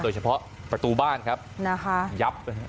โดยเฉพาะประตูบ้านครับยับ